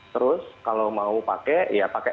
terus kalau mau pakai ya pakai